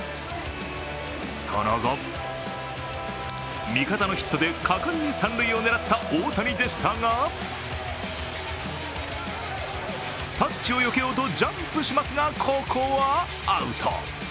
その後、味方のヒットで果敢に三塁を狙った大谷でしたがタッチをよけようとジャンプしますがここはアウト。